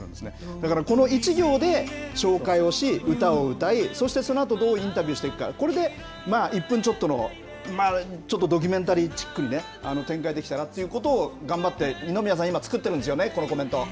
だからこの１行で紹介をし、歌を歌い、そしてそのあと、どうインタビューしていくか、これで１分ちょっとのちょっとドキュメンタリーチックに展開できたらということを、頑張って、二宮さん、今、作ってるんですよね？